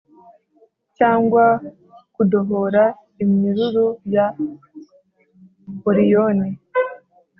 cyangwa kudohora iminyururu ya oriyoni’